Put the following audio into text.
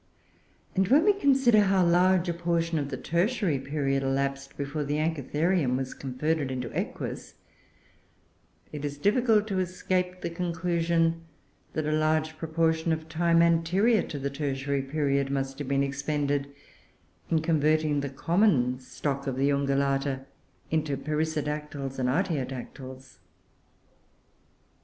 And when we consider how large a portion of the Tertiary period elapsed before Anchitherium was converted into Equus, it is difficult to escape the conclusion that a large proportion of time anterior to the Tertiary period must have been expended in converting the common stock of the Ungulata into Perissodactyles and Artiodactyles.